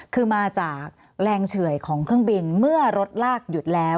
คือมาจากแรงเฉื่อยของเครื่องบินเมื่อรถลากหยุดแล้ว